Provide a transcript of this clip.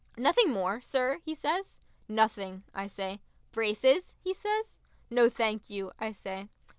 "Nothing more, sir?" he says. "Nothing," I say. "Braces?" he says. "No, thank you," I say.